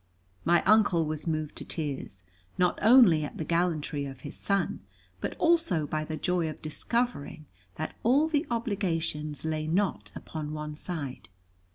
My Uncle was moved to tears, not only at the gallantry of his son, but also by the joy of discovering that all the obligations lay not upon one side.